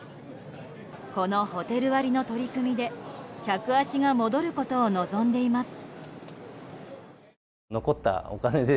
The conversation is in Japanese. このホテル割の取り組みで客足が戻ることを望んでいます。